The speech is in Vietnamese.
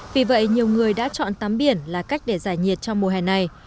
vì vậy nhiều người đã chọn tắm biển là cách để giải nhiệt trong mùa hè này